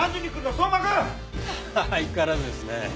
相変わらずですね。